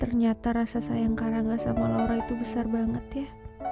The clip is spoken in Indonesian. ternyata rasa sayang karanga sama laura itu besar banget ya